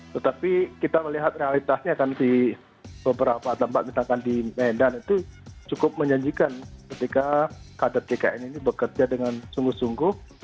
tetapi kita melihat realitasnya kan di beberapa tempat misalkan di medan itu cukup menjanjikan ketika kader jkn ini bekerja dengan sungguh sungguh